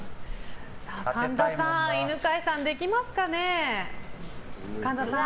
神田さん犬飼さんできますかね？